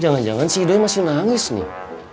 jangan jangan si idoi masih nangis nih